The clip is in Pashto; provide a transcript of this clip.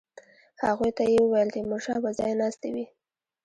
هغوی ته یې وویل تیمورشاه به ځای ناستی وي.